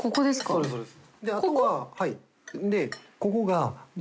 そうですそうです。